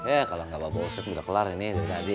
eh kalo enggak bawa bau ustaz udah kelar ini dari tadi